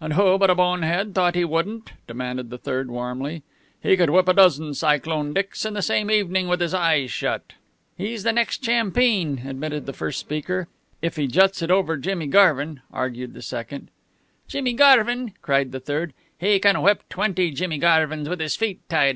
"And who but a bone head thought he wouldn't?" demanded the third warmly. "He could whip a dozen Cyclone Dicks in the same evening with his eyes shut." "He's the next champeen," admitted the first speaker. "If he juts it over Jimmy Garvin," argued the second. "Jimmy Garvin!" cried the third. "He can whip twenty Jimmy Garvins with his feet tied.